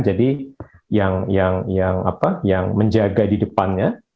jadi yang menjaga di depannya